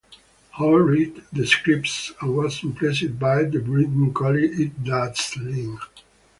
Hall read the script and was impressed by the writing calling it "dazzling".